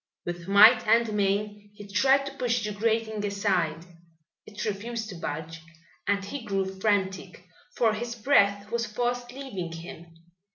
With might and main he tried to push the grating aside. It refused to budge, and he grew frantic, for his breath was fast leaving him.